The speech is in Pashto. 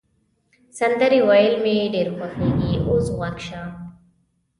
سندرې ویل مي ډېر خوښیږي، اوس غوږ شه.